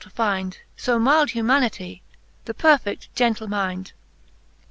to fynd So milde humanity, and perfedt gentle mynd.